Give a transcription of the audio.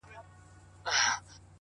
هغه نجلۍ په ما د ډيرو خلکو مخ خلاص کړئ’